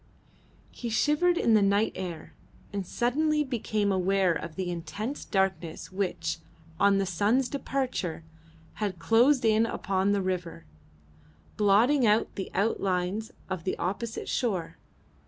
He shivered in the night air, and suddenly became aware of the intense darkness which, on the sun's departure, had closed in upon the river, blotting out the outlines of the opposite shore.